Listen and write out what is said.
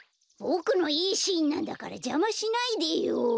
ボクのいいシーンなんだからじゃましないでよ。